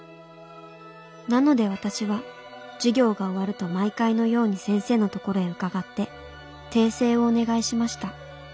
なので私は授業が終わると毎回のように先生のところへ伺って訂正をお願いしました。